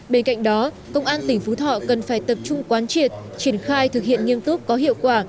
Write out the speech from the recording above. bên cạnh đó công an tỉnh phú thọ cần phải tập trung quán triệt triển khai thực hiện nghiêm túc có hiệu quả